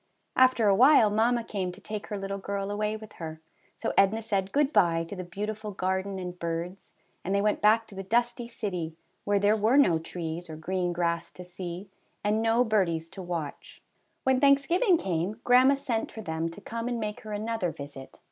After a while mamma came to take her little girl away with her. So Edna said good by to the beautiful garden and birds, and they went back to the dusty city, where there were no trees or green grass to see, and no birdies to watch. 170 "ALL'S GONE." When Thanksgiving came, grandma sent for them to come and make her another visit.